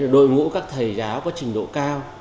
đội ngũ các thầy giáo có trình độ cao